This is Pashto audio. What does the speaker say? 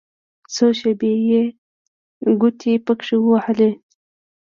څو شېبې يې ګوتې پکښې ووهلې.